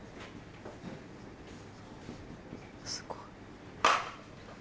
すごい。